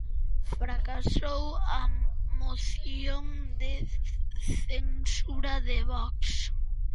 Fracasou a moción de censura de Vox.